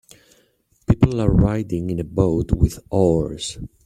People are riding in a boat with oars.